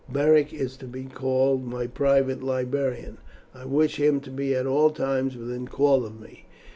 Beric is to be called my private librarian. I wish him to be at all times within call of me.